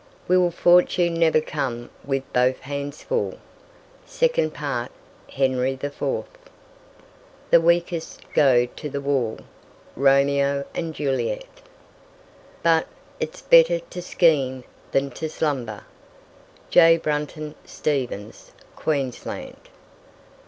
"Will Fortune never come with both hands full?" Second Part Henry IV. "The weakest go to the wall." Romeo and Juliet. But "it's better to scheme than to slumber." J. Brunton Stephens, Queensland.